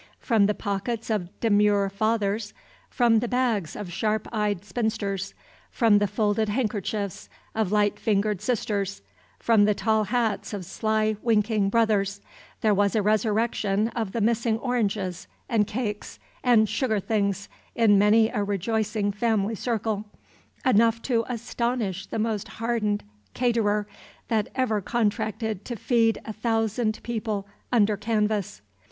From the pockets of demure fathers, from the bags of sharp eyed spinsters, from the folded handkerchiefs of light fingered sisters, from the tall hats of sly winking brothers, there was a resurrection of the missing oranges and cakes and sugar things in many a rejoicing family circle, enough to astonish the most hardened "caterer" that ever contracted to feed a thousand people under canvas.